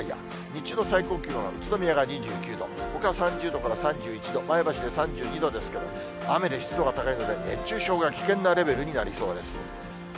日中の最高気温は宇都宮が２９度、ほかは３０度から３１度、前橋で３２度ですけど、雨で湿度が高いので、熱中症が危険なレベルになりそうです。